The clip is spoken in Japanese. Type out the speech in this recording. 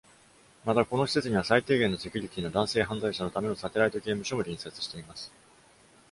また、この施設には最低限のセキュリティーの男性犯罪者のためのサテライト刑務所も隣接しています。